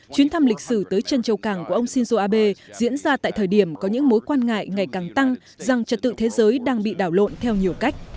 chuyến thăm lịch sử tới chân châu càng của ông shinzo abe diễn ra tại thời điểm có những mối quan ngại ngày càng tăng rằng trật tự thế giới đang bị đảo lộn theo nhiều cách